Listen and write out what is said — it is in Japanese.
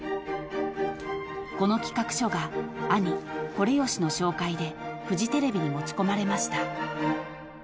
［この企画書が兄惟繕の紹介でフジテレビに持ち込まれました］